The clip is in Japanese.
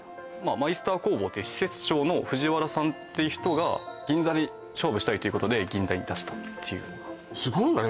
マイスター工房って施設長の藤原さんって人が銀座で勝負したいということで銀座に出したっていうすごいわね